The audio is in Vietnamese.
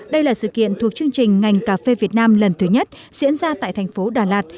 đây là sự kiện thuộc chương trình ngành cà phê việt nam lần thứ nhất diễn ra tại thành phố đà lạt